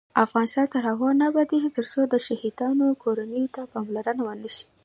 افغانستان تر هغو نه ابادیږي، ترڅو د شهیدانو کورنیو ته پاملرنه ونشي.